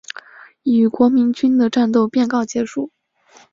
与国民军的战斗便告结束。